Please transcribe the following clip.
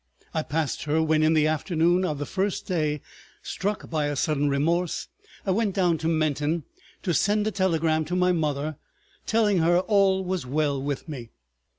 I passed her when in the afternoon of the first day, struck by a sudden remorse, I went down to Menton to send a telegram to my mother telling her all was well with me.